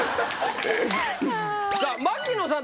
さあ槙野さん